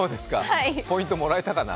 ポイントもらえたかな？